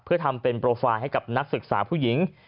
เพื่อทำเป็นโปรไฟล์ให้กับนักศึกษาผู้หญิง